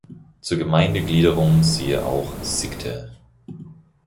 Zur Gemeindegliederung siehe auch "Sickte.